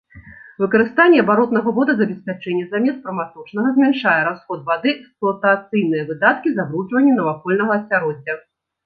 Выкарыстанне абаротнага водазабеспячэння замест праматочнага змяншае расход вады, эксплуатацыйныя выдаткі, забруджванне навакольнага асяроддзя.